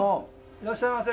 いらっしゃいませ。